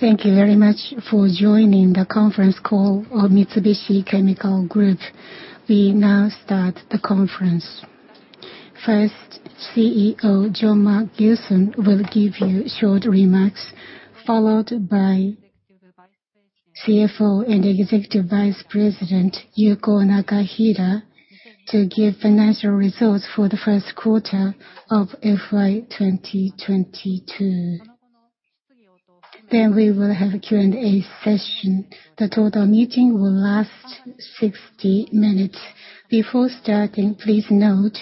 Thank you very much for joining the conference call of Mitsubishi Chemical Group. We now start the conference. First, CEO Jean-Marc Gilson will give you short remarks, followed by CFO and Executive Vice President Yuko Nakahira to give financial results for the Q1 of FY 2022. Then we will have a Q&A session. The total meeting will last 60 minutes. Before starting, please note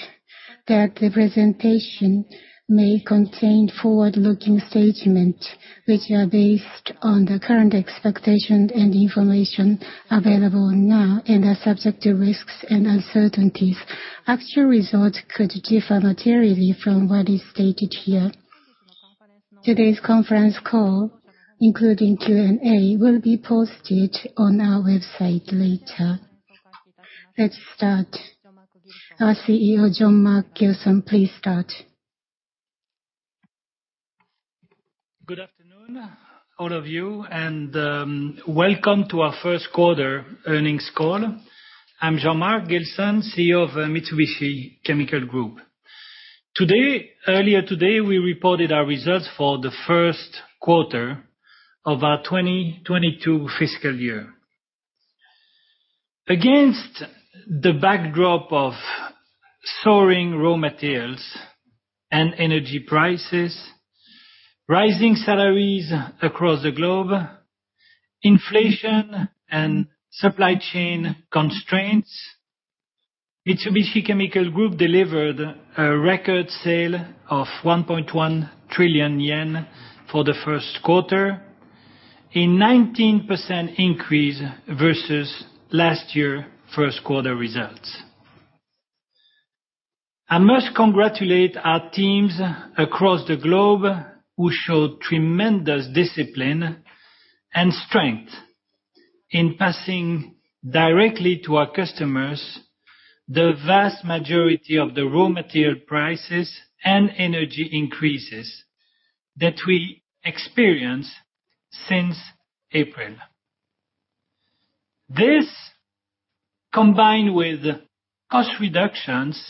that the presentation may contain forward-looking statement which are based on the current expectation and information available now, and are subject to risks and uncertainties. Actual results could differ materially from what is stated here. Today's conference call, including Q&A, will be posted on our website later. Let's start. Our CEO, Jean-Marc Gilson, please start. Good afternoon, all of you, and welcome to our Q1 earnings call. I'm Jean-Marc Gilson, CEO of Mitsubishi Chemical Group. Earlier today, we reported our results Q1 of our 2022 fiscal year. Against the backdrop of soaring raw materials and energy prices, rising salaries across the globe, inflation and supply chain constraints, Mitsubishi Chemical Group delivered a record sale of 1.1 trillion yen for the Q1, a 19% increase versus last year Q1 results. I must congratulate our teams across the globe who showed tremendous discipline and strength in passing directly to our customers the vast majority of the raw material prices and energy increases that we experienced since April. This, combined with cost reductions,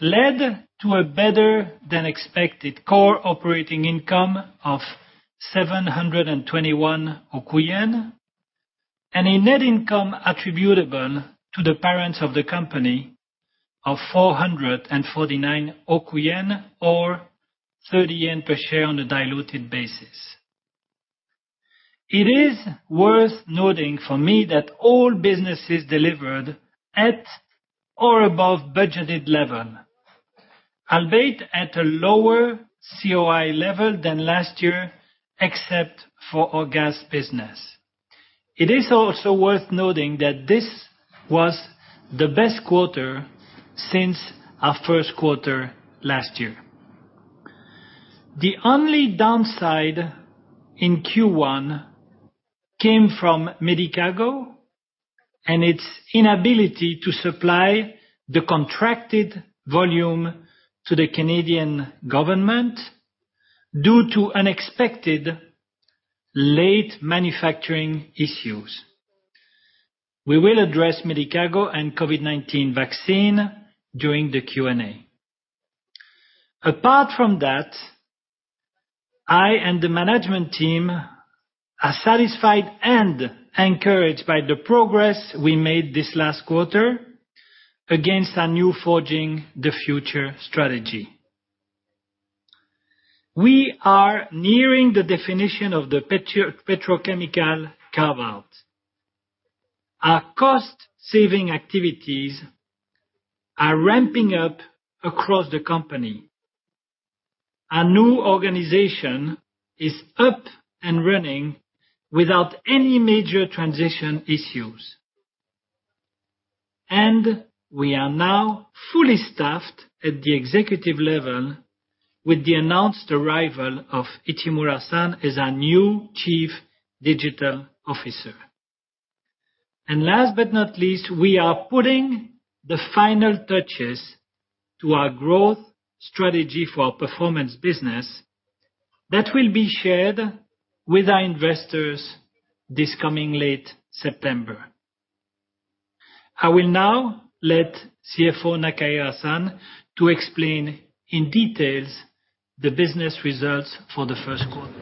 led to a better-than-expected core operating income of 721 oku yen, and a net income attributable to the parents of the company of 449 oku yen, or 30 yen per share on a diluted basis. It is worth noting for me that all businesses delivered at or above budgeted level, albeit at a lower COI level than last year, except for our gas business. It is also worth noting that this was the best quarter since our Q1 last year. The only downside in Q1 came from Medicago and its inability to supply the contracted volume to the Canadian government due to unexpected late manufacturing issues. We will address Medicago and COVID-19 vaccine during the Q&A. Apart from that, I and the management team are satisfied and encouraged by the progress we made this last quarter against our new Forging the Future strategy. We are nearing the definition of the petrochemical carve-out. Our cost-saving activities are ramping up across the company. Our new organization is up and running without any major transition issues. We are now fully staffed at the executive level with the announced arrival of Ichimura-san as our new Chief Digital Officer. Last but not least, we are putting the final touches to our growth strategy for our performance business that will be shared with our investors this coming late September. I will now let CFO Nakahira-san explain in detail the business results for the Q1.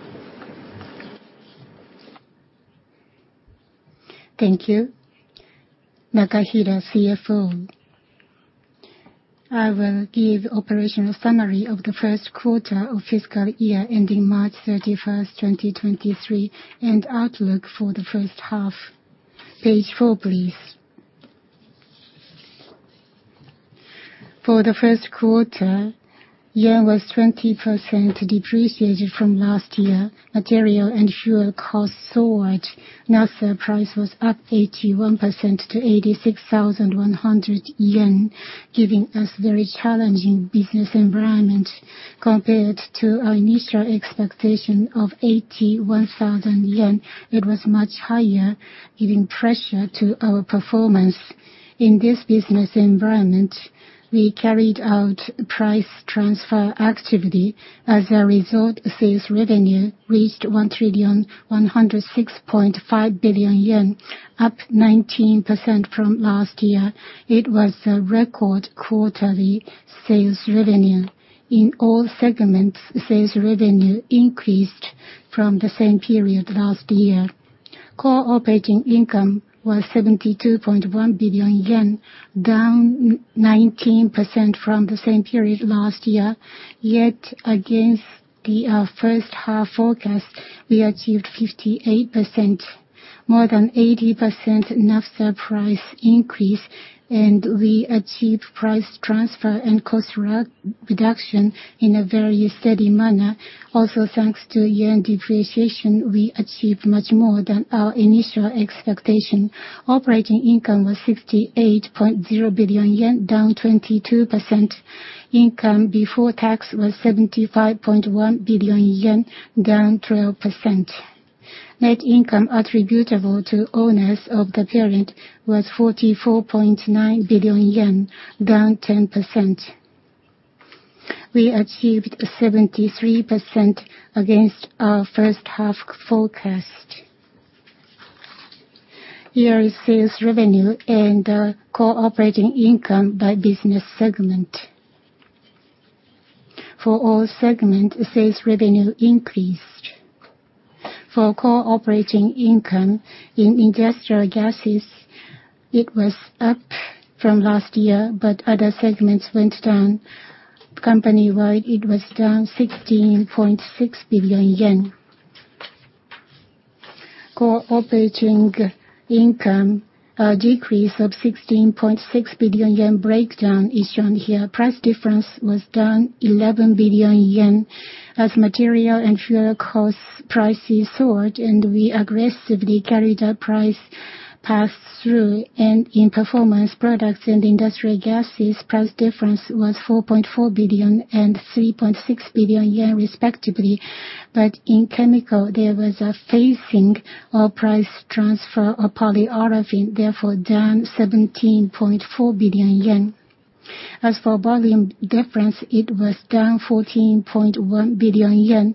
Thank you. Nakahira, CFO. I will give operational summary of the Q1 of fiscal year ending March 31, 2023, and outlook for the H1. Page four, please. For the Q1, yen was 20% depreciated from last year. Material and fuel costs soared. Naphtha price was up 81% to 86,100 yen, giving us very challenging business environment. Compared to our initial expectation of 81,000 yen, it was much higher, giving pressure to our performance. In this business environment, we carried out price transfer activity. As a result, sales revenue reached 1,106.5 billion yen, up 19% from last year. It was a record quarterly sales revenue. In all segments, sales revenue increased from the same period last year. Core operating income was 72.1 billion yen, down 19% from the same period last year. Yet against the H1 forecast, we achieved 58%. More than 80% naphtha price increase, and we achieved price transfer and cost re-reduction in a very steady manner. Also, thanks to yen depreciation, we achieved much more than our initial expectation. Operating income was 68.0 billion yen, down 22%. Income before tax was 75.1 billion yen, down 12%. Net income attributable to owners of the parent was 44.9 billion yen, down 10%. We achieved 73% against our H1 forecast. Here is sales revenue and core operating income by business segment. For all segments, sales revenue increased. For core operating income in industrial gases, it was up from last year, but other segments went down. Company-wide, it was down JPY 16.6 billion. Core operating income decrease of 16.6 billion yen. Breakdown is shown here. Price difference was down 11 billion yen as material and fuel costs prices soared, and we aggressively carried out price pass-through. In Performance Products and industrial gases, price difference was 4.4 billion and 3.6 billion yen respectively. In chemicals, there was a phasing of price transfer of polyolefin, therefore, down 17.4 billion yen. As for volume difference, it was down 14.1 billion yen.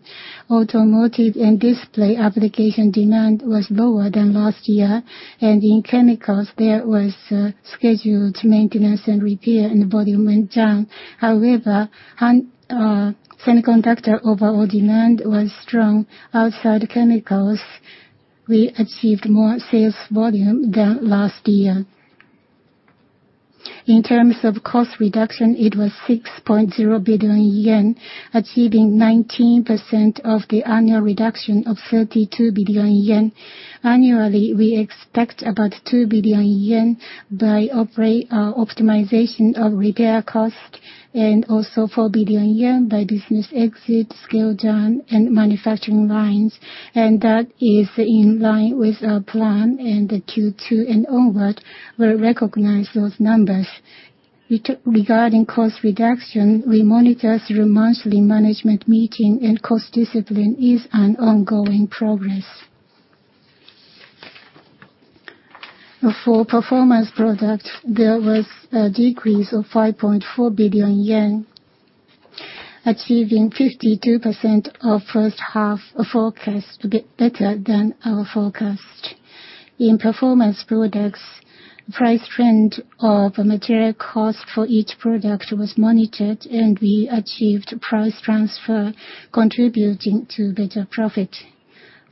Automotive and display application demand was lower than last year. In chemicals, there was scheduled maintenance and repair, and the volume went down. However, semiconductor overall demand was strong. Outside chemicals, we achieved more sales volume than last year. In terms of cost reduction, it was 6.0 billion yen, achieving 19% of the annual reduction of 32 billion yen. Annually, we expect about 2 billion yen by optimization of repair cost, and also 4 billion yen by business exit, scale down, and manufacturing lines. That is in line with our plan, and the Q2 and onward will recognize those numbers. Regarding cost reduction, we monitor through monthly management meeting, and cost discipline is an ongoing progress. For Performance Products, there was a decrease of 5.4 billion yen, achieving 52% of H1 forecast. Better than our forecast. In Performance Products, price trend of material cost for each product was monitored, and we achieved price transfer contributing to better profit.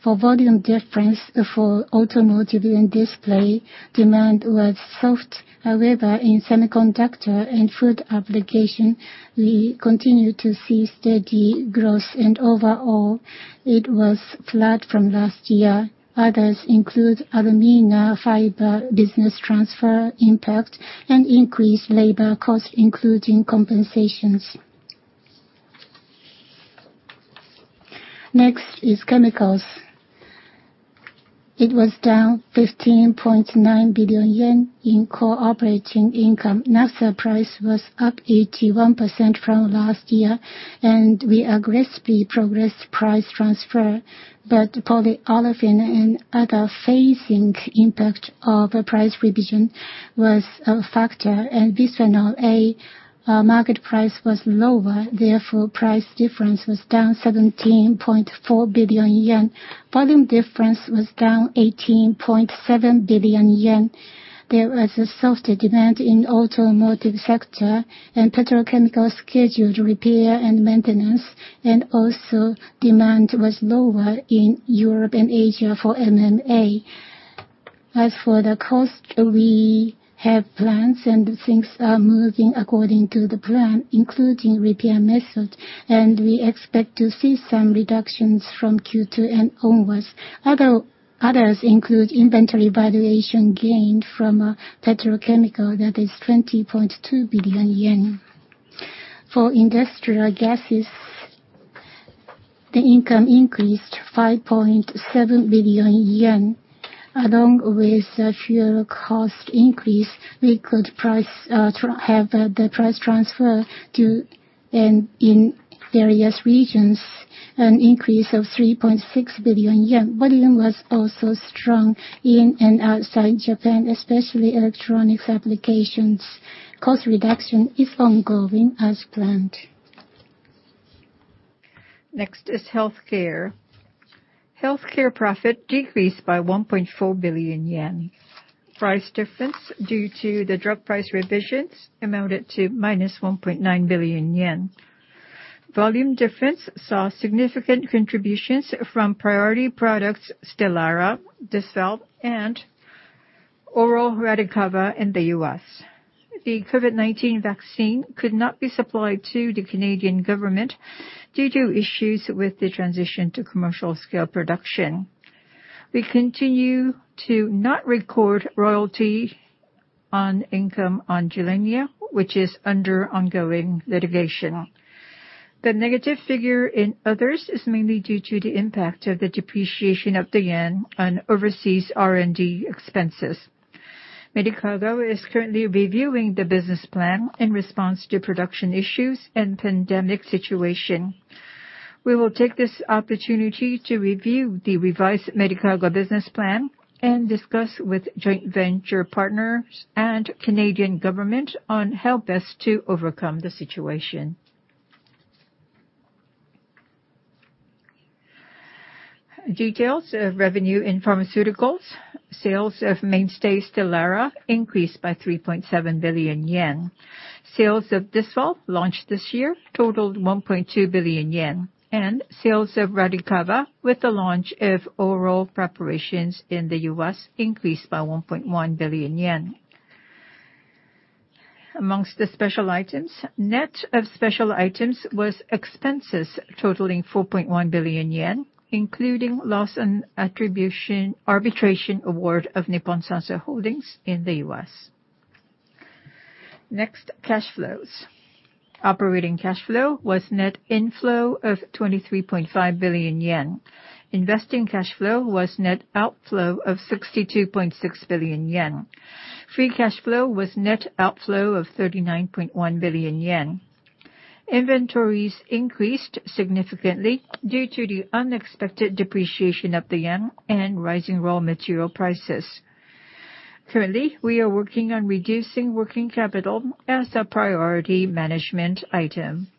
For volume difference for automotive and display, demand was soft. However, in semiconductor and food application, we continue to see steady growth. Overall, it was flat from last year. Others include alumina fiber business transfer impact and increased labor cost, including compensations. Next is chemicals. It was down 15.9 billion yen in core operating income. Naphtha price was up 81% from last year, and we aggressively progressed price transfer. Polyolefin and other phasing impact of the price revision was a factor. Bisphenol A market price was lower, therefore, price difference was down 17.4 billion yen. Volume difference was down 18.7 billion yen. There was a softer demand in automotive sector and petrochemical scheduled repair and maintenance, and also demand was lower in Europe and Asia for MMA. As for the cost, we have plans, and things are moving according to the plan, including repair method, and we expect to see some reductions from Q2 and onwards. Others include inventory valuation gained from petrochemical that is 20.2 billion yen. For industrial gases, the income increased 5.7 billion yen. Along with the fuel cost increase, we could transfer the price to, and in various regions, an increase of 3.6 billion yen. Volume was also strong in and outside Japan, especially electronics applications. Cost reduction is ongoing as planned. Next is healthcare. Healthcare profit decreased by 1.4 billion yen. Price difference due to the drug price revisions amounted to minus 1.9 billion yen. Volume difference saw significant contributions from priority products STELARA, DYSVAL, and oral RADICAVA in the U.S. The COVID-19 vaccine could not be supplied to the Canadian government due to issues with the transition to commercial scale production. We continue to not record royalty income on Gilenya, which is under ongoing litigation. The negative figure in others is mainly due to the impact of the depreciation of the yen on overseas R&D expenses. Medicago is currently reviewing the business plan in response to production issues and pandemic situation. We will take this opportunity to review the revised Medicago business plan and discuss with joint venture partners and Canadian government on how best to overcome the situation. Details of revenue in pharmaceuticals. Sales of mainstay STELARA increased by 3.7 billion yen. Sales of DYSVAL, launched this year, totaled 1.2 billion yen. Sales of RADICAVA, with the launch of oral preparations in the U.S., increased by 1.1 billion yen. Among the special items, net special items were expenses totaling JPY 4.1 billion, including loss on arbitration award of Nippon Sanso Holdings in the U.S. Next, cash flows. Operating cash flow was net inflow of 23.5 billion yen. Investing cash flow was net outflow of 62.6 billion yen. Free cash flow was net outflow of 39.1 billion yen. Inventories increased significantly due to the unexpected depreciation of the yen and rising raw material prices. Currently, we are working on reducing working capital as a priority management item.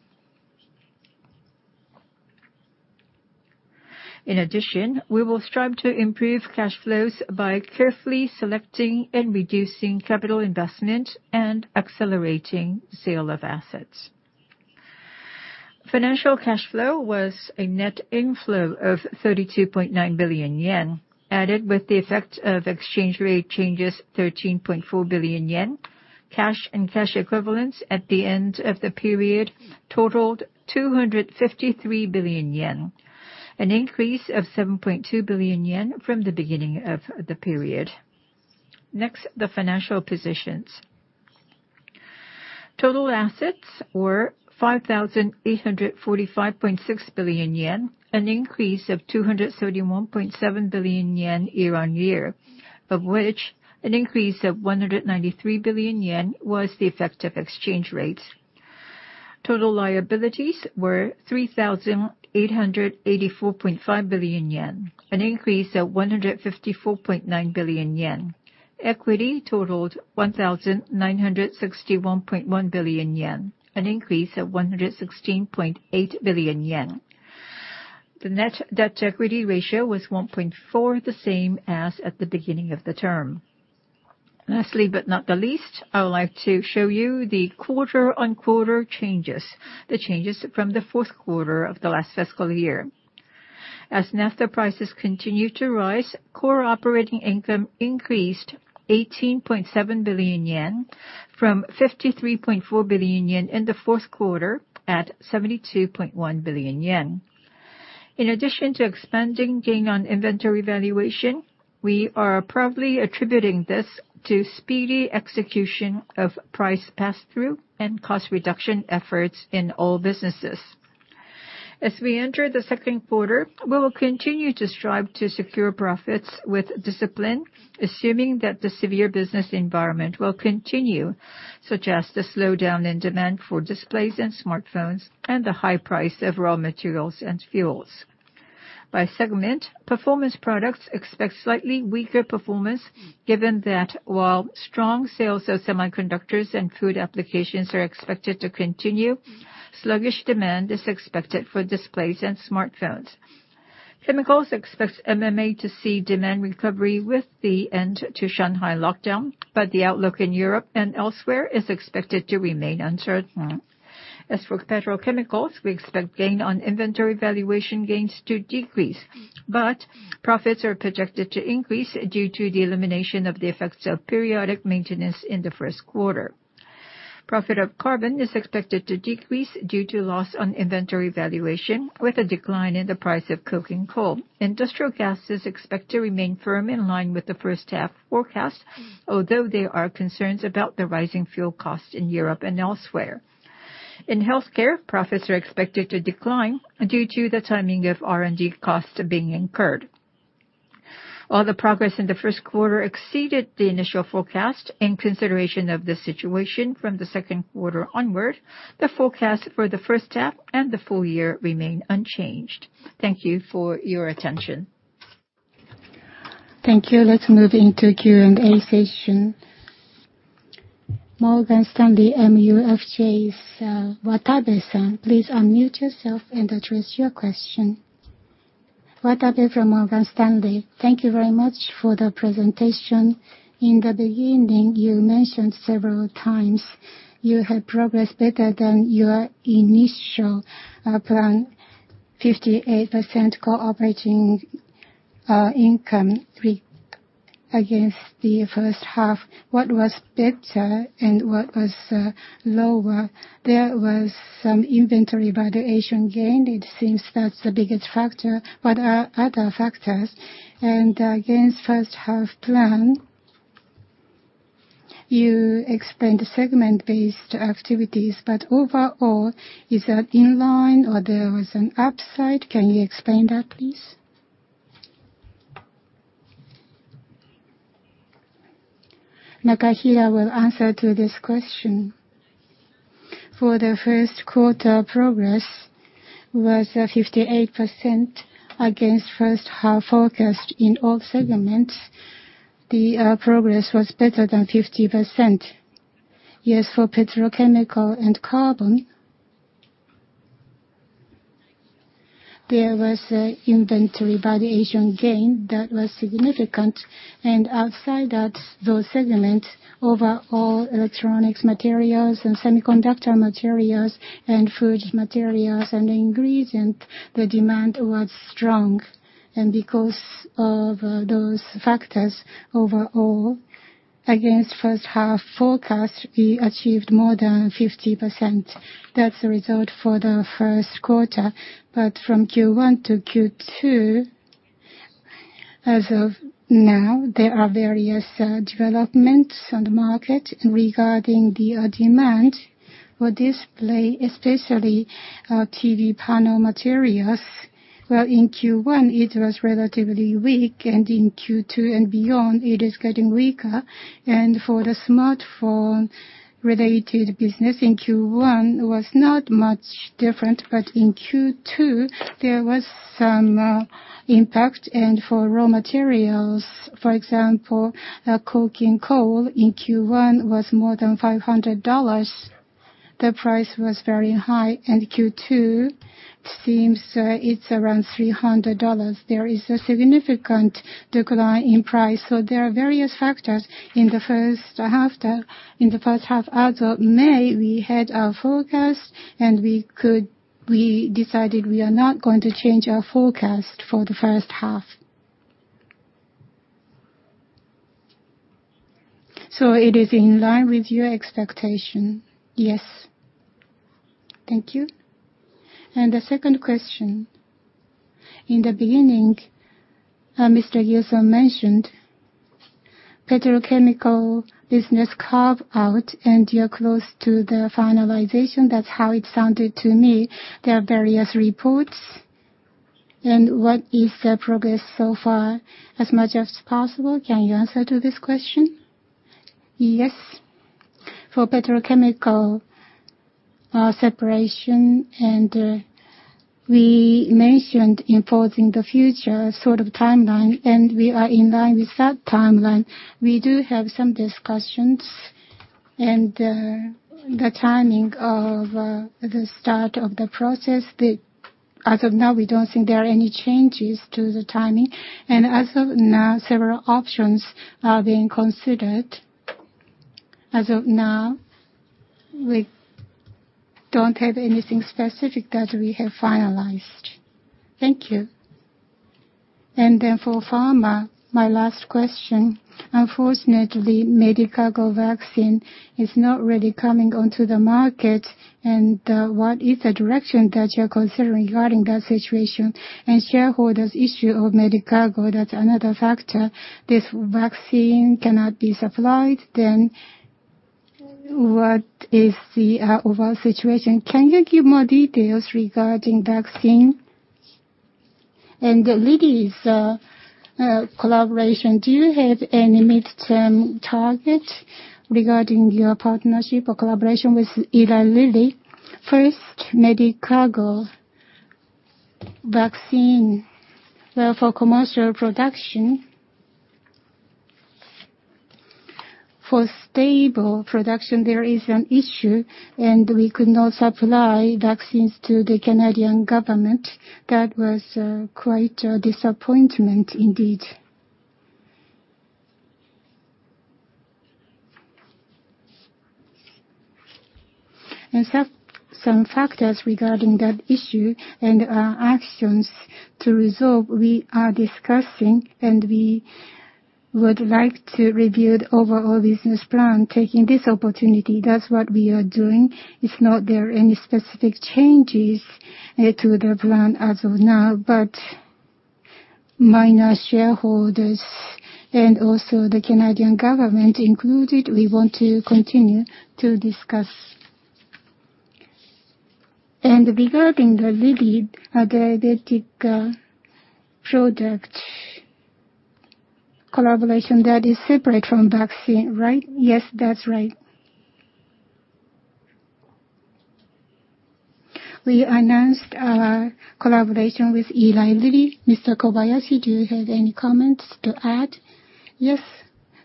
In addition, we will strive to improve cash flows by carefully selecting and reducing capital investment and accelerating sale of assets. Financial cash flow was a net inflow of 32.9 billion yen, added with the effect of exchange rate changes 13.4 billion yen. Cash and cash equivalents at the end of the period totaled 253 billion yen, an increase of 7.2 billion yen from the beginning of the period. Next, the financial positions. Total assets were 5,845.6 billion yen, an increase of 231.7 billion yen year-on-year, of which an increase of 193 billion yen was the effect of exchange rates. Total liabilities were 3,884.5 billion yen, an increase of 154.9 billion yen. Equity totaled 1,961.1 billion yen, an increase of 116.8 billion yen. The net debt to equity ratio was 1.4, the same as at the beginning of the term. Lastly, but not the least, I would like to show you the quarter-over-quarter changes, the changes from the Q4 of the last fiscal year. As naphtha prices continue to rise, core operating income increased 18.7 billion yen from 53.4 billion yen in the Q4 at 72.1 billion yen. In addition to expanding gain on inventory valuation, we are proudly attributing this to speedy execution of price pass-through and cost reduction efforts in all businesses. As we enter the Q2 we will continue to strive to secure profits with discipline, assuming that the severe business environment will continue, such as the slowdown in demand for displays in smartphones and the high price of raw materials and fuels. By segment, Performance Products expects slightly weaker performance, given that while strong sales of semiconductors and food applications are expected to continue, sluggish demand is expected for displays in smartphones. Chemicals expects MMA to see demand recovery with the end to Shanghai lockdown, but the outlook in Europe and elsewhere is expected to remain uncertain. As for petrochemicals, we expect gain on inventory valuation gains to decrease, but profits are projected to increase due to the elimination of the effects of periodic maintenance Q1. Profit of carbon is expected to decrease due to loss on inventory valuation with a decline in the price of coking coal. Industrial gases expect to remain firm in line with the H1 forecast, although there are concerns about the rising fuel cost in Europe and elsewhere. In healthcare, profits are expected to decline due to the timing of R&D costs being incurred. While the progress in the Q1 exceeded the initial forecast in consideration of the situation from the Q2 onward, the forecast for the H1 and the full year remain unchanged. Thank you for your attention. Thank you. Let's move into Q&A session. Morgan Stanley MUFG's Watabe-san, please unmute yourself and address your question. Watabe from Morgan Stanley. Thank you very much for the presentation. In the beginning, you mentioned several times you have progressed better than your initial plan, 58% core operating income against the H1. What was better and what was lower? There was some inventory valuation gain. It seems that's the biggest factor. What are other factors? Against H1 plan, you explained the segment-based activities, but overall, is that in line or there was an upside? Can you explain that, please? Nakahira will answer to this question. For the Q1 progress was 58% against H1 forecast in all segments. The progress was better than 50%. Yes, for petrochemical and carbon there was inventory valuation gain that was significant. Outside that, those segments, overall, electronics materials and semiconductor materials and food materials and ingredient, the demand was strong. Because of those factors, overall, against H1 forecast, we achieved more than 50%. That's the result for the Q1. From Q1 to Q2, as of now, there are various developments on the market regarding the demand for display, especially TV panel materials. Well, in Q1, it was relatively weak, and in Q2 and beyond it is getting weaker. For the smartphone-related business, in Q1 was not much different, but in Q2 there was some impact. For raw materials, for example, coking coal in Q1 was more than $500. The price was very high. Q2 seems, it's around $300. There is a significant decline in price. There are various factors in the H1. In the H1. As of May, we had our forecast and we decided we are not going to change our forecast for the H1. It is in line with your expectation? Yes. Thank you. The second question. In the beginning, Jean-Marc Gilson mentioned petrochemical business carve-out and you're close to the finalization. That's how it sounded to me. There are various reports, and what is the progress so far? As much as possible, can you answer to this question? Yes. For petrochemical separation and we mentioned in Forging the Future sort of timeline, and we are in line with that timeline. We do have some discussions and the timing of the start of the process. As of now, we don't think there are any changes to the timing. As of now, several options are being considered. As of now, we don't have anything specific that we have finalized. Thank you. For pharma, my last question. Unfortunately, Medicago vaccine is not really coming onto the market. What is the direction that you're considering regarding that situation? Shareholders' issue of Medicago, that's another factor. This vaccine cannot be supplied, then what is the overall situation? Can you give more details regarding vaccine? Eli Lilly's collaboration, do you have any midterm target regarding your partnership or collaboration with Eli Lilly? First, Medicago vaccine. Well, for commercial production, for stable production, there is an issue, and we could not supply vaccines to the Canadian government. That was quite a disappointment indeed. Some factors regarding that issue and actions to resolve, we are discussing, and we would like to review the overall business plan, taking this opportunity. That's what we are doing. It's not there are any specific changes to the plan as of now, but minor shareholders and also the Canadian government included, we want to continue to discuss. Regarding the Eli Lilly diabetic product collaboration, that is separate from vaccine, right? Yes, that's right. We announced our collaboration with Eli Lilly. Mr. Kobayashi, do you have any comments to add? Yes.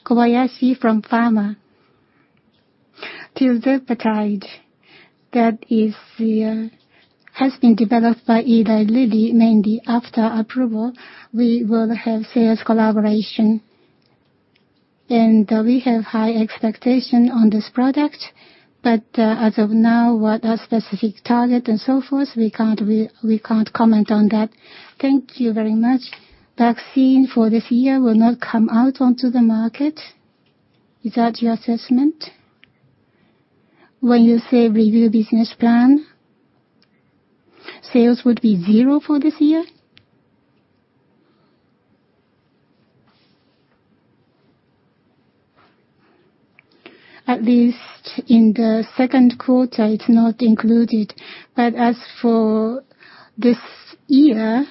Kobayashi from Pharma. Tirzepatide, that is the has been developed by Eli Lilly. Mainly after approval, we will have sales collaboration. We have high expectation on this product, but as of now, what our specific target and so forth, we can't comment on that. Thank you very much. Vaccine for this year will not come out onto the market. Is that your assessment? When you say review business plan, sales would be zero for this year? At least in the Q2 it's not included. As for this year,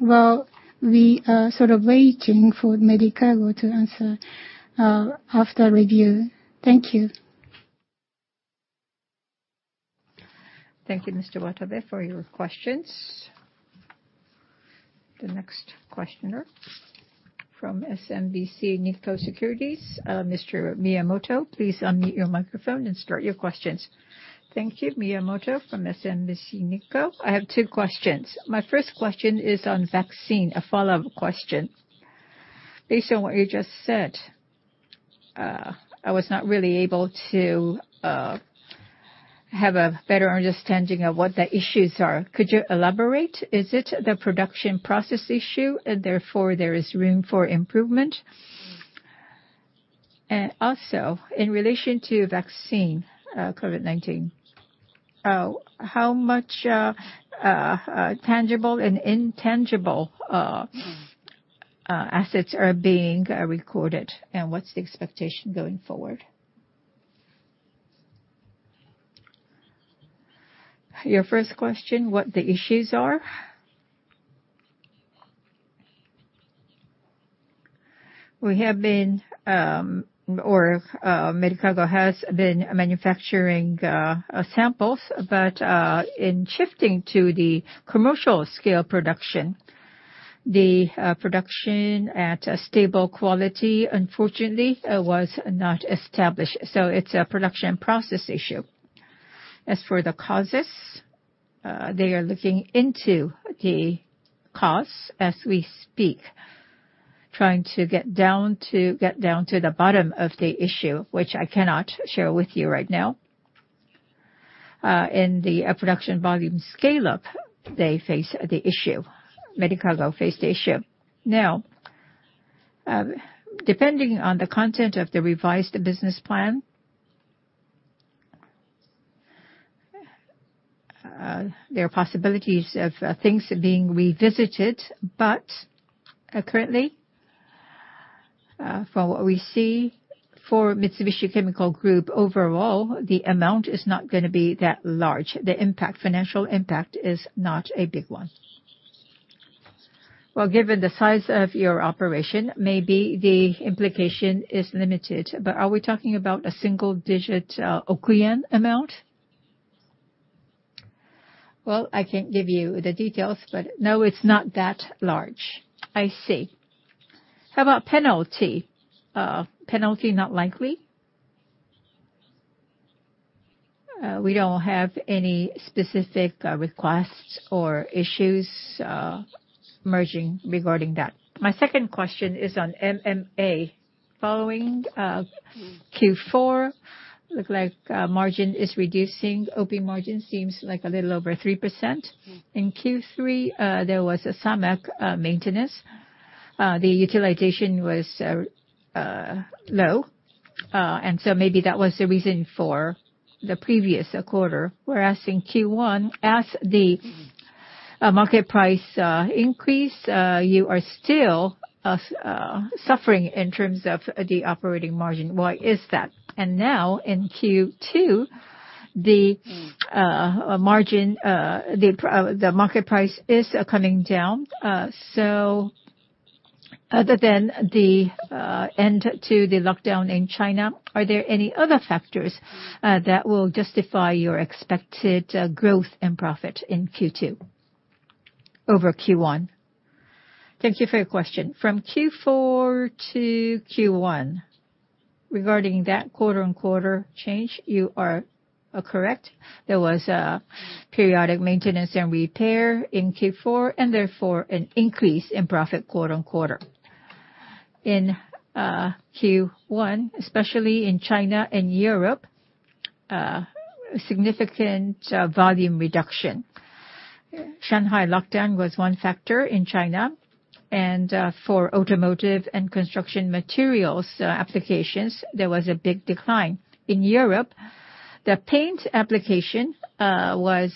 well, we are sort of waiting for Medicago to answer after review. Thank you. Thank you, Mr. Watabe, for your questions. The next questioner from SMBC Nikko Securities, Mr. Miyamoto. Please unmute your microphone and start your questions. Thank you. Miyamoto from SMBC Nikko. I have two questions. My first question is on vaccine, a follow-up question. Based on what you just said, I was not really able to have a better understanding of what the issues are. Could you elaborate? Is it the production process issue and therefore there is room for improvement? And also, in relation to vaccine, COVID-19, how much tangible and intangible assets are being recorded, and what's the expectation going forward? Your first question, what the issues are? Medicago has been manufacturing samples, but in shifting to the commercial scale production, the production at a stable quality unfortunately was not established. So it's a production process issue. As for the causes, they are looking into the cause as we speak, trying to get down to the bottom of the issue, which I cannot share with you right now. In the production volume scale-up, they face the issue. Medicago faced the issue. Now, depending on the content of the revised business plan, there are possibilities of things being revisited. Currently, from what we see, for Mitsubishi Chemical Group overall, the amount is not gonna be that large. The impact, financial impact is not a big one. Well, given the size of your operation, maybe the implication is limited. Are we talking about a single-digit oku yen amount? Well, I can't give you the details, but no, it's not that large. I see. How about penalty? Penalty not likely? We don't have any specific requests or issues emerging regarding that. My second question is on MMA. Following Q4, look like margin is reducing. OP margin seems like a little over 3%. In Q3, there was a scheduled maintenance. The utilization was low. Maybe that was the reason for the previous quarter. Whereas in Q1, as the market price increased, you are still suffering in terms of the operating margin. Why is that? Now in Q2, the margin, the market price is coming down. Other than the end to the lockdown in China, are there any other factors that will justify your expected growth and profit in Q2 over Q1? Thank you for your question. From Q4 to Q1, regarding that quarter-on-quarter change, you are correct. There was a periodic maintenance and repair in Q4, and therefore an increase in profit quarter-on-quarter. In Q1, especially in China and Europe, significant volume reduction. Shanghai lockdown was one factor in China, and for automotive and construction materials applications, there was a big decline. In Europe, the paint application was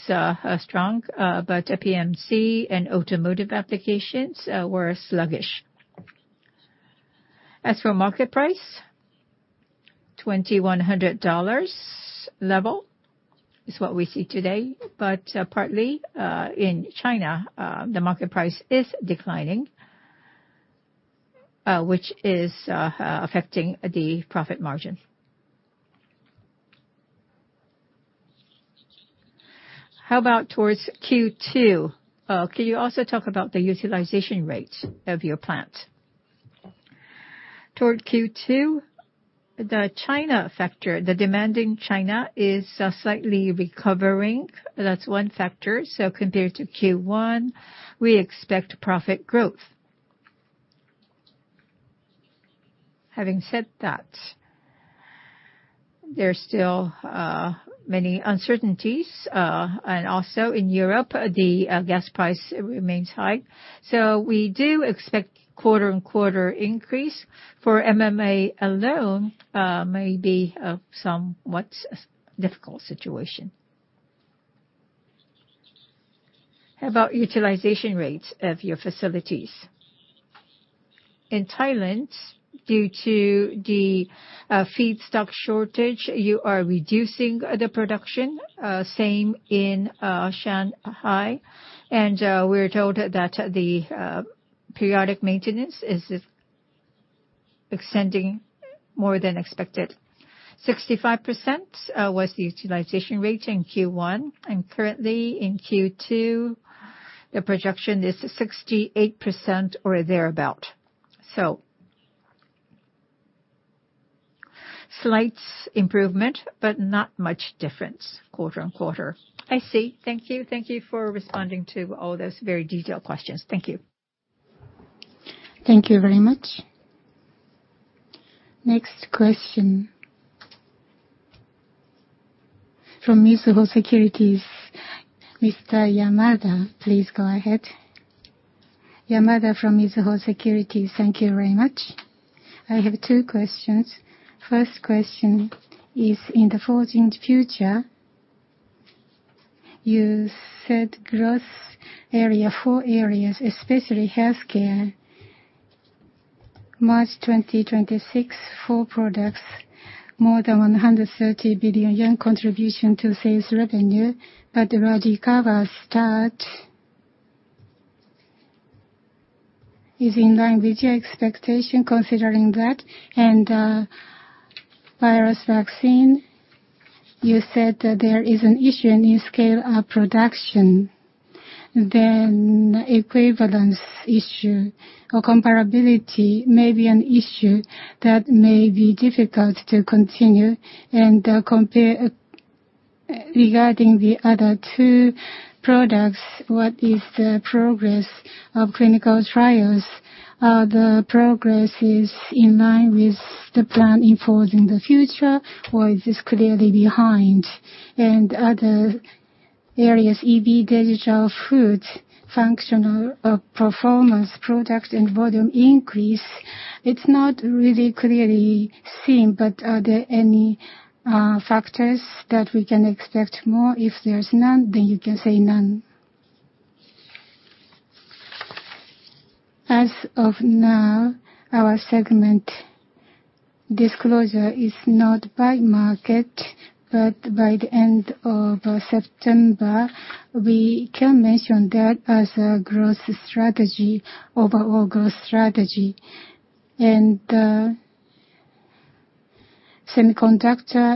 strong, but PMMA and automotive applications were sluggish. As for market price, $2,100 level is what we see today. But partly in China, the market price is declining, which is affecting the profit margin. How about towards Q2? Can you also talk about the utilization rate of your plant? Toward Q2, the China factor, the demand in China is slightly recovering. That's one factor. Compared to Q1, we expect profit growth. Having said that, there are still many uncertainties. In Europe, the gas price remains high. We do expect quarter-on-quarter increase. For MMA alone, may be a somewhat difficult situation. How about utilization rates of your facilities? In Thailand, due to the feedstock shortage, you are reducing the production. Same in Shanghai. We're told that the periodic maintenance is extending more than expected. 65% was the utilization rate in Q1, and currently in Q2, the projection is 68% or thereabout. Slight improvement, but not much difference quarter-on-quarter. I see. Thank you. Thank you for responding to all those very detailed questions. Thank you. Thank you very much. Next question from Mizuho Securities. Mr. Yamada, please go ahead. Yamada from Mizuho Securities, thank you very much. I have two questions. First question is, in the Forging the Future, you said growth area, four areas, especially healthcare. March 2026, four products, more than 130 billion yen contribution to sales revenue. The RADICAVA start is in line with your expectation considering that. Virus vaccine, you said that there is an issue in scale of production. Equivalence issue or comparability may be an issue that may be difficult to continue. Regarding the other two products, what is the progress of clinical trials? Are the progresses in line with the plan in Forging the Future, or is this clearly behind? Other areas, EV, digital, food, functional, performance product and volume increase, it's not really clearly seen, but are there any factors that we can expect more? If there's none, then you can say none. As of now, our segment disclosure is not by market, but by the end of September, we can mention that as a growth strategy, overall growth strategy. Semiconductor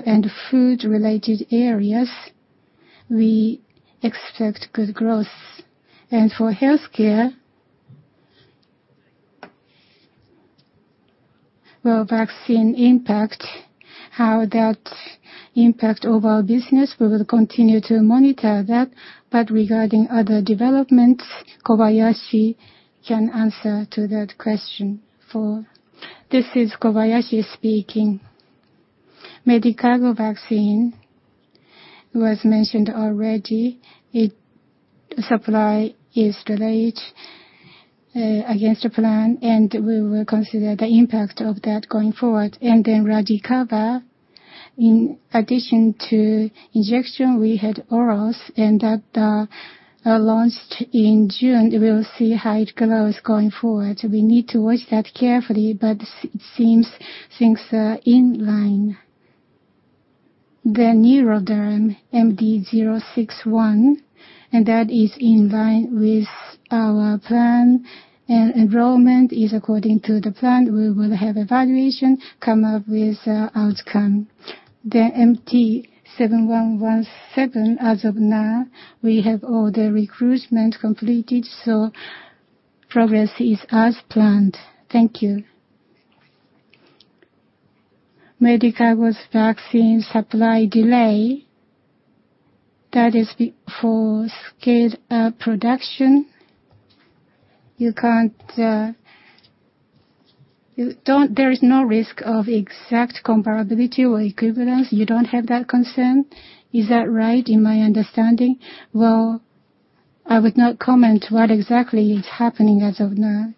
and food-related areas, we expect good growth. For healthcare, well, vaccine impact, how that impact overall business, we will continue to monitor that. Regarding other developments, Kobayashi can answer to that question for- This is Kobayashi speaking. Medicago vaccine was mentioned already. Its supply is delayed against the plan, and we will consider the impact of that going forward. RADICAVA, in addition to injection, we had orals and that launched in June. We'll see how it grows going forward. We need to watch that carefully, but it seems things are in line. NeuroDerm, ND0612, and that is in line with our plan. Enrollment is according to the plan. We will have evaluation, come up with outcome. The MT-7117, as of now, we have all the recruitment completed, so progress is as planned. Thank you. Medicago's vaccine supply delay, that is before scaled production. You can't. You don't. There is no risk of exact comparability or equivalence. You don't have that concern. Is that right in my understanding? Well, I would not comment what exactly is happening as of now.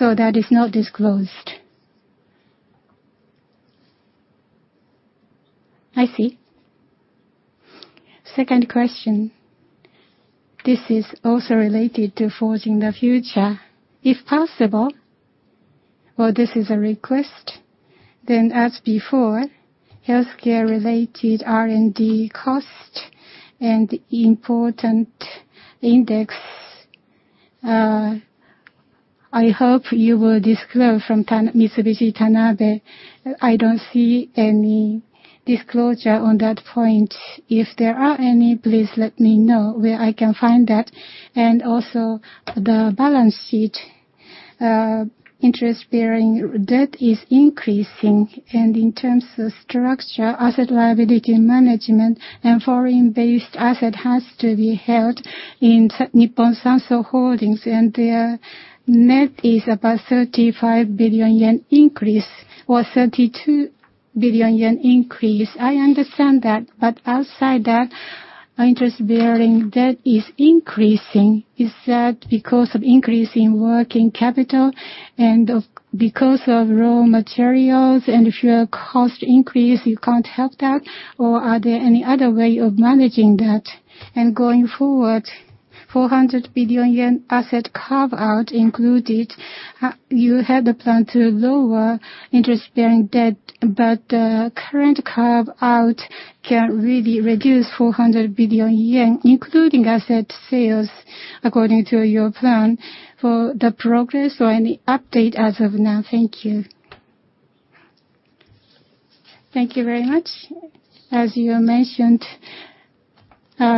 That is not disclosed. I see. Second question. This is also related to Forging the Future. If possible, well, this is a request, then as before, healthcare related R&D cost and important index, I hope you will disclose from Mitsubishi Tanabe. I don't see any disclosure on that point. If there are any, please let me know where I can find that. Also, the balance sheet, interest-bearing debt is increasing, and in terms of structure, asset liability management and foreign-based asset has to be held in Nippon Sanso Holdings. Their net is about 35 billion yen increase or 32 billion yen increase. I understand that, but outside that, our interest-bearing debt is increasing. Is that because of increase in working capital and because of raw materials? If you have cost increase, you can't help that, or are there any other way of managing that? Going forward, 400 billion yen asset carve-out included, you had the plan to lower interest-bearing debt. The current carve-out can really reduce 400 billion yen, including asset sales, according to your plan. For the progress or any update as of now. Thank you. Thank you very much. As you mentioned,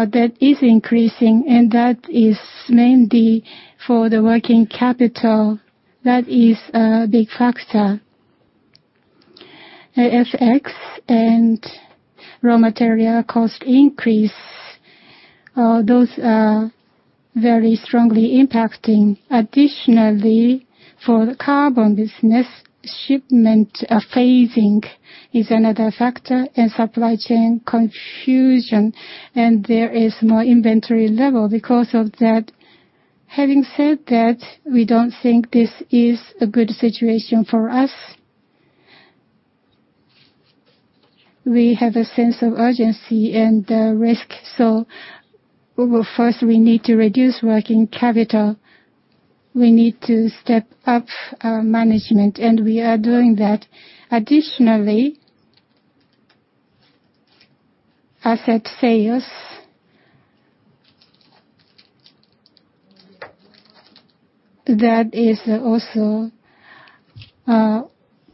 debt is increasing, and that is mainly for the working capital. That is a big factor. FX and raw material cost increase, those are very strongly impacting. Additionally, for the carbon business, shipment phasing is another factor in supply chain confusion, and there is more inventory level because of that. Having said that, we don't think this is a good situation for us. We have a sense of urgency and risk, so well, first we need to reduce working capital. We need to step up our management, and we are doing that. Additionally, asset sales. That is also a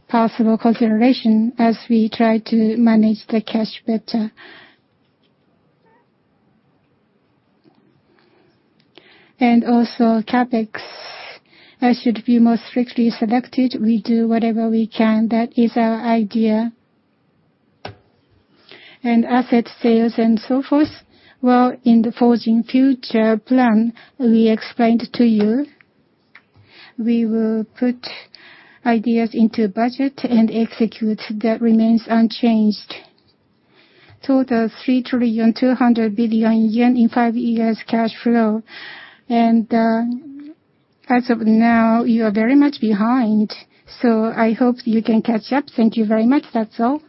possible consideration as we try to manage the cash better. Also CapEx should be more strictly selected. We do whatever we can. That is our idea. Asset sales and so forth, well, in the Forging the Future plan we explained to you, we will put ideas into budget and execute. That remains unchanged. Total 3.2 trillion in five years cash flow. As of now, you are very much behind, so I hope you can catch up. Thank you very much. That's all.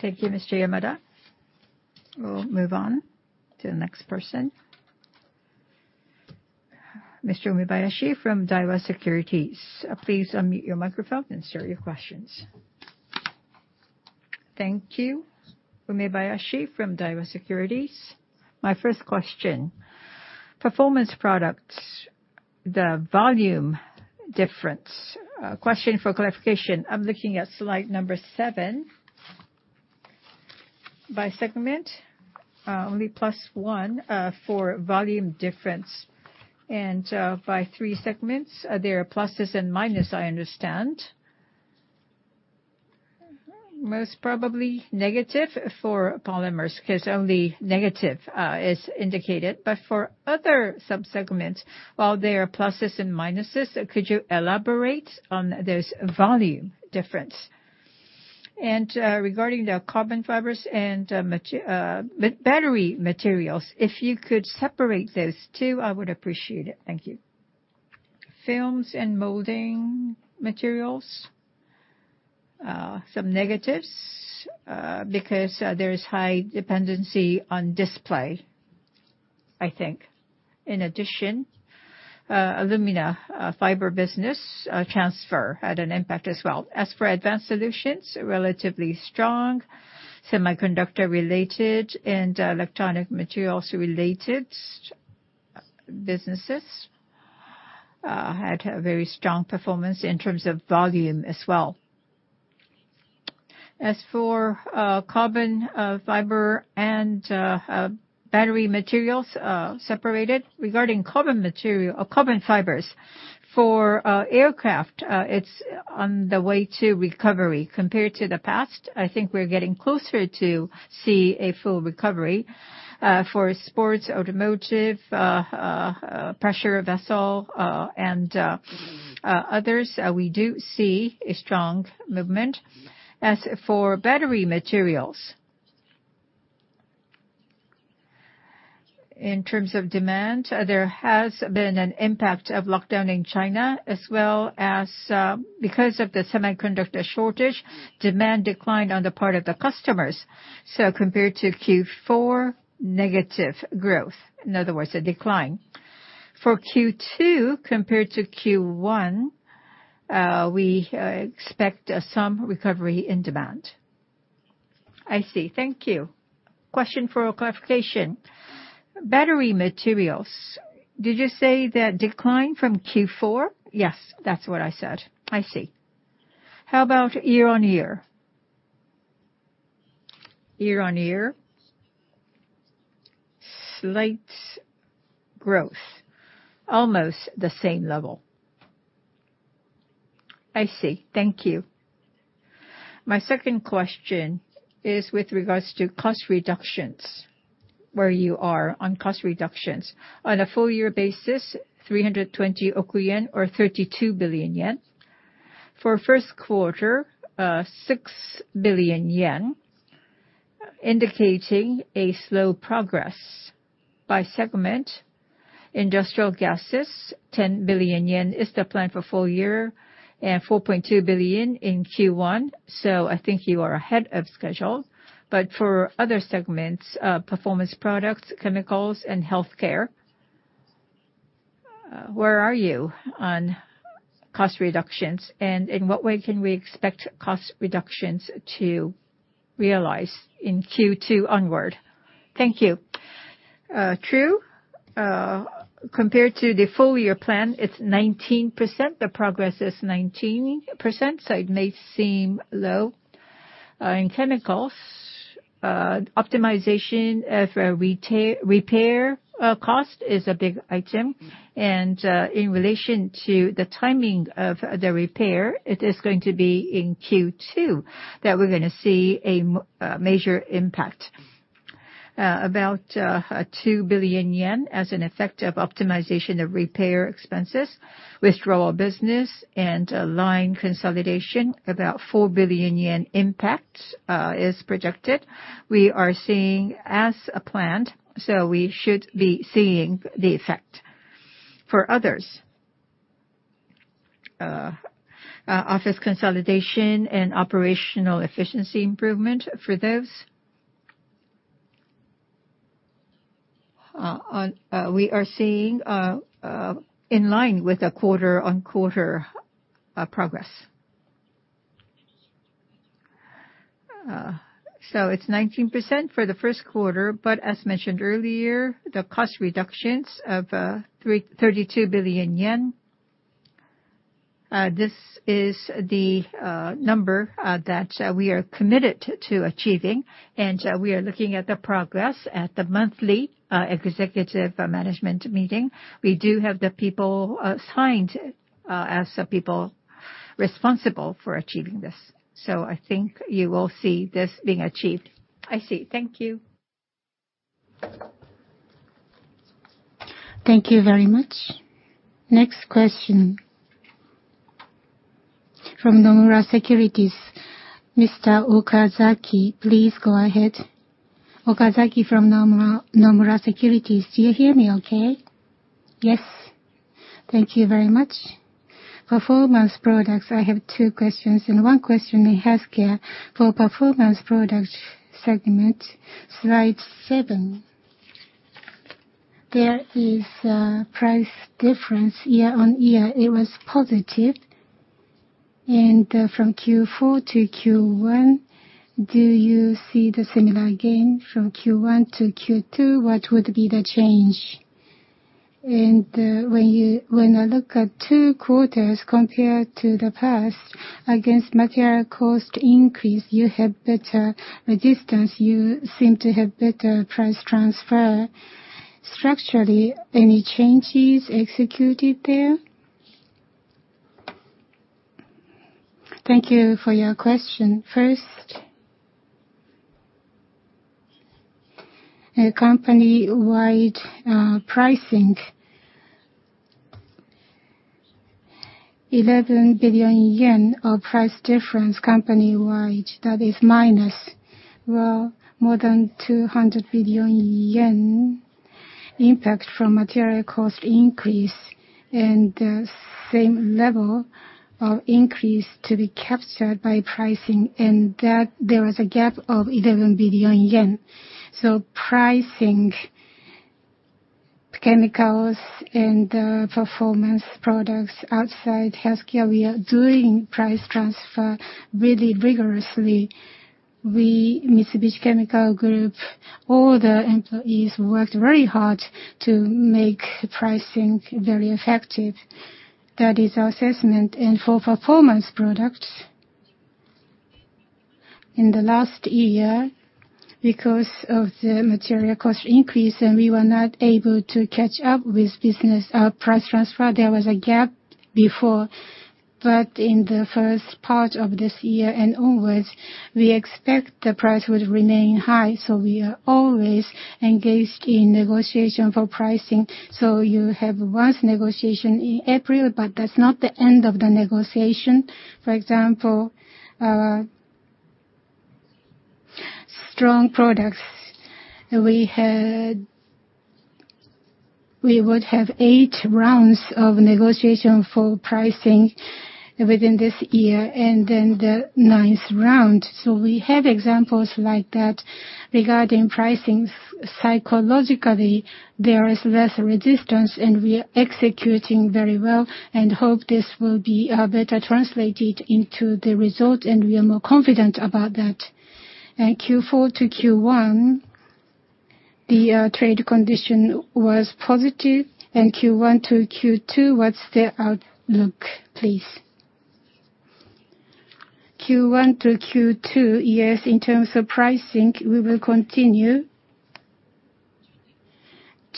Thank you, Ms. Yamada. We'll move on to the next person. Mr. Umebayashi from Daiwa Securities, please unmute your microphone and start your questions. Thank you. Umebayashi from Daiwa Securities. My first question, Performance Products, the volume difference. Question for clarification. I'm looking at slide number 7. By segment, only +1 for volume difference. By three segments, are there pluses and minuses, I understand. Mm-hmm. Most probably negative for polymers 'cause only negative is indicated. For other sub-segments, while there are pluses and minuses could you elaborate on this volume difference? Regarding the carbon fibers and battery materials if you could separate those two I would appreciate it. Thank you. Films and molding materials some negatives because there is high dependency on display, I think. In addition, alumina fiber business transfer had an impact as well. As for advanced solutions, relatively strong. Semiconductor-related and electronic materials-related businesses had a very strong performance in terms of volume as well. As for carbon fiber and battery materials separated. Regarding carbon material or carbon fibers for aircraft it's on the way to recovery. Compared to the past I think we're getting closer to see a full recovery. For sports automotive pressure vessel and others we do see a strong movement. As for battery materials in terms of demand, there has been an impact of lockdown in China as well as, because of the semiconductor shortage demand declined on the part of the customers. Compared to Q4, negative growth in other words,a decline. For Q2, compared to Q1, we expect some recovery in demand. I see. Thank you. Question for clarification. Battery materials, did you say that declined from Q4? Yes that's what I said. I see. How about year-over-year? Year-on-year? Slight growth almost the same level. I see. Thank you. My second question is with regards to cost reductions, where you are on cost reductions. On a full year basis, 320 oku yen or JPY 32 billion. For Q1 6 billion yen, indicating a slow progress by segment. Industrial gases, 10 billion yen is the plan for full year and 4.2 billion in Q1, so I think you are ahead of schedule. For other segments Performance Products Chemicals and Healthcare, where are you on cost reductions? And in what way can we expect cost reductions to realize in Q2 onward? Thank you. True. Compared to the full year plan it's 19%. The progress is 19%, so it may seem low. In chemicals, optimization of repair cost is a big item. In relation to the timing of the repair, it is going to be in Q2 that we're gonna see a major impact. About 2 billion yen as an effect of optimization of repair expenses, withdrawal of business and line consolidation about 4 billion yen impact is projected. We are seeing as planned, so we should be seeing the effect. For others office consolidation and operational efficiency improvement for those, we are seeing in line with the quarter-on-quarter progress. It's 19% for the Q1 but as mentioned earlier, the cost reductions of 32 billion yen, this is the number that we are committed to achieving. We are looking at the progress at the monthly executive management meeting. We do have the people assigned as the people responsible for achieving this. I think you will see this being achieved. I see. Thank you. Thank you very much. Next question from Nomura Securities. Mr. Okazaki, please go ahead. Okazaki from Nomura Securities. Do you hear me okay? Yes. Thank you very much. Performance Products, I have two questions and one question in healthcare. For Performance Products segment, slide 7, there is a price difference year-on-year. It was positive. From Q4 to Q1, do you see the similar gain? From Q1 to Q2, what would be the change? When I look at Q2 compared to the past, against material cost increase, you have better resistance. You seem to have better price transfer. Structurally, any changes executed there? Thank you for your question. First, a company-wide pricing, 11 billion yen of price difference company-wide, that is minus. Well, more than 200 billion yen impact from material cost increase and the same level of increase to be captured by pricing, and that there was a gap of 11 billion yen. Pricing chemicals and Performance Products outside healthcare, we are doing price transfer really rigorously. We, Mitsubishi Chemical Group, all the employees worked very hard to make pricing very effective. That is our assessment. For Performance Products, in the last year, because of the material cost increase and we were not able to catch up with business price transfer, there was a gap before. In the first part of this year and onwards, we expect the price would remain high, so we are always engaged in negotiation for pricing. You have one negotiation in April, but that's not the end of the negotiation. For example, strong products that we had, we would have 8 rounds of negotiation for pricing within this year and then the ninth round. We have examples like that regarding pricing. Psychologically, there is less resistance, and we are executing very well and hope this will be better translated into the result, and we are more confident about that. Q4 to Q1, the trade condition was positive. Q1 to Q2, what's the outlook, please? Q1 to Q2, yes, in terms of pricing, we will continue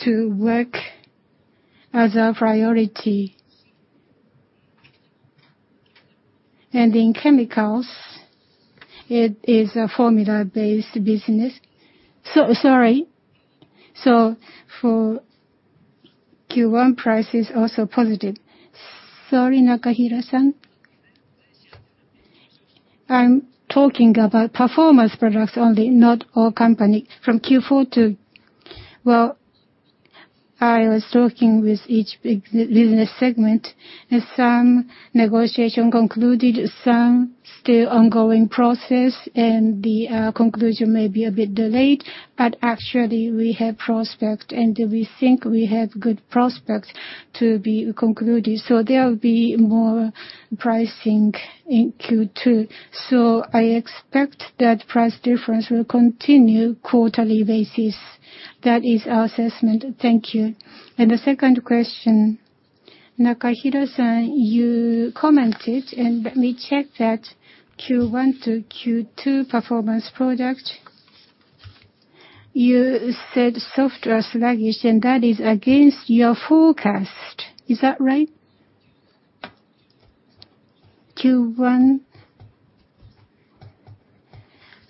to work as a priority. In chemicals, it is a formula-based business. Sorry. For Q1 price is also positive. Sorry, Nakahira-san. I'm talking about Performance Products only, not all company. From Q4 to... Well, I was talking with each big business segment, and some negotiation concluded, some still ongoing process, and the conclusion may be a bit delayed, but actually we have prospect, and we think we have good prospects to be concluded. So there will be more pricing in Q2. So I expect that price difference will continue quarterly basis. That is our assessment. Thank you. The second question. Nakahira-san, you commented, and let me check that, Q1 to Q2 Performance Products, you said softer or sluggish, and that is against your forecast. Is that right? Q1,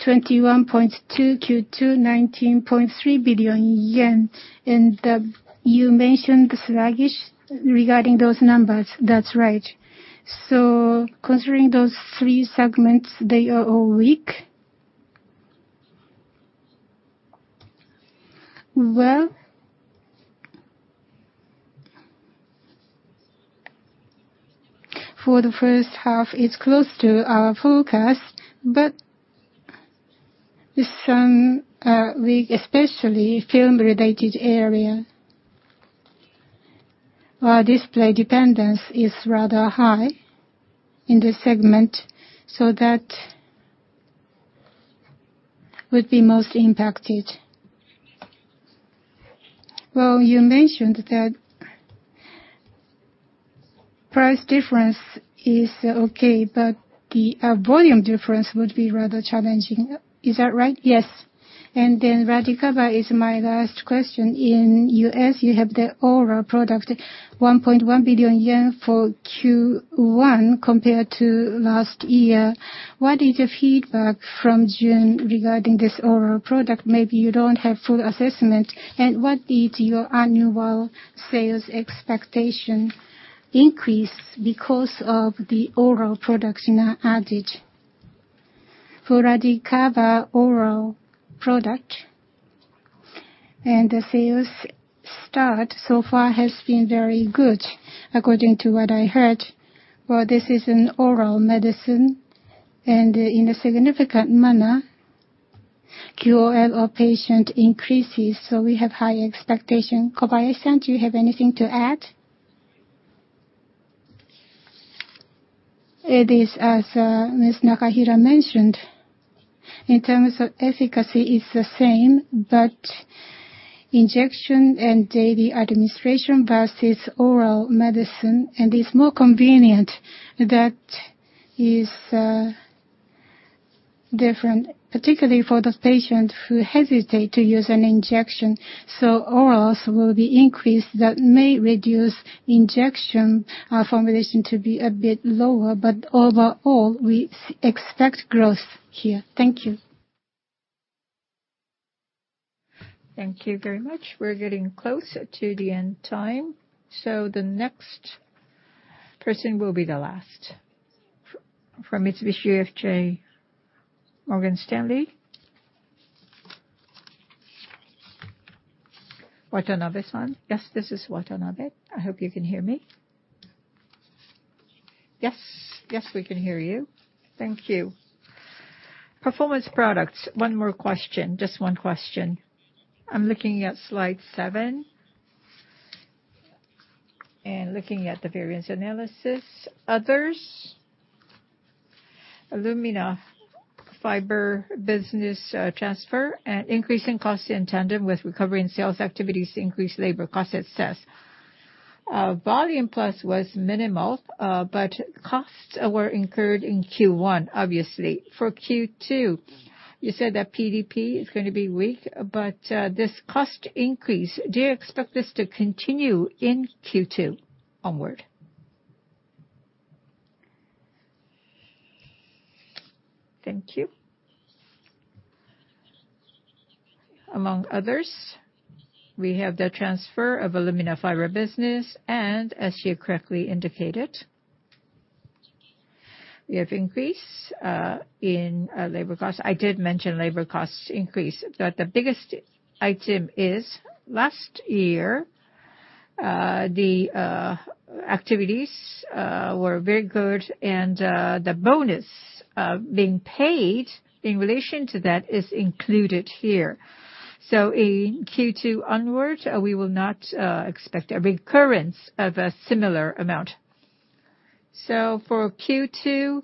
21.2 billion. Q2, 19.3 billion yen. You mentioned sluggish regarding those numbers. That's right. Considering those three segments, they are all weak? Well, for the H1 it's close to our forecast, but with some weak, especially film-related area. Our display dependence is rather high in this segment, so that would be most impacted. Well, you mentioned that price difference is okay, but the volume difference would be rather challenging. Is that right? Yes. RADICAVA is my last question. In the U.S. you have the oral product, 1.1 billion yen for Q1 compared to last year. What is the feedback from June regarding this oral product? Maybe you don't have full assessment. What is your annual sales expectation increase because of the oral product in average? For RADICAVA oral product, the sales start so far has been very good, according to what I heard. Well, this is an oral medicine, and in a significant manner, QOL of patient increases, so we have high expectation. Kobayashi-san, do you have anything to add? It is as Ms. Nakahira mentioned. In terms of efficacy, it's the same, but injection and daily administration versus oral medicine, and it's more convenient. That is different, particularly for the patient who hesitate to use an injection. Orals will be increased. That may reduce injection formulation to be a bit lower. Overall, we expect growth here. Thank you. Thank you very much. We're getting close to the end time. The next person will be the last. From Mitsubishi UFJ Morgan Stanley. Watabe-san. Yes, this is Watabe. I hope you can hear me. Yes. Yes, we can hear you. Thank you. Performance Products, one more question, just one question. I'm looking at slide 7. Looking at the variance analysis, others, alumina fiber business, transfer and increase in cost in tandem with recovery in sales activities increased labor cost it says. Volume plus was minimal, but costs were incurred in Q1, obviously. For Q2, you said that PDP is gonna be weak, but this cost increase, do you expect this to continue in Q2 onward? Thank you. Among others, we have the transfer of alumina fiber business, and as you correctly indicated, we have increase in labor costs. I did mention labor costs increase. The biggest item is last year, the activities were very good and the bonus being paid in relation to that is included here. In Q2 onwards, we will not expect a recurrence of a similar amount. For Q2,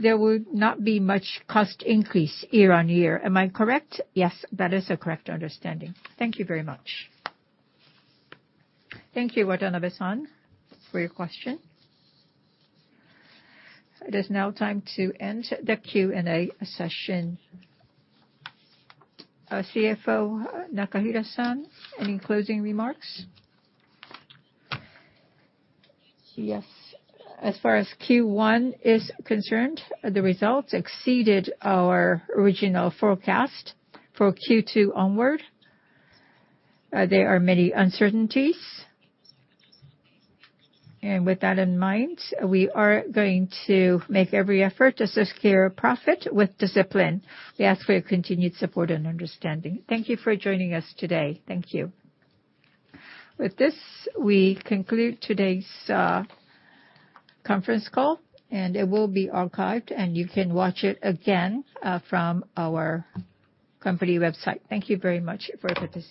there will not be much cost increase year-over-year. Am I correct? Yes, that is a correct understanding. Thank you very much. Thank you, Watabe-san, for your question. It is now time to end the Q&A session. Our CFO, Nakahira-san, any closing remarks? Yes. As far as Q1 is concerned, the results exceeded our original forecast. For Q2 onward, there are many uncertainties. With that in mind, we are going to make every effort to secure profit with discipline. We ask for your continued support and understanding. Thank you for joining us today. Thank you. With this, we conclude today's conference call, and it will be archived and you can watch it again from our company website. Thank you very much for participating.